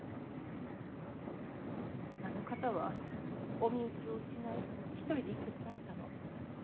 あの方はお身内を失い一人で生きてこられたの。